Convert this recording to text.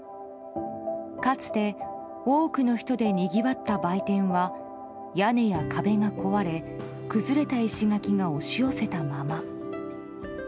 かつて多くの人でにぎわった売店は屋根や壁が壊れ崩れた石垣が押し寄せたまま。